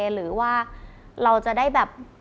หรือว่าเราจะได้แบบ